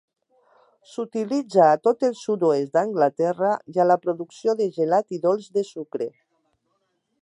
S'utilitza a tot el sud-oest d'Anglaterra a la producció de gelat i dolç de sucre.